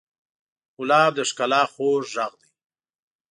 ګلاب د ښکلا خوږ غږ دی.